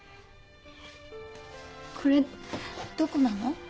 これどこなの？